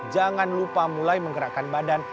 jangan lupa mulai menggerakkan badan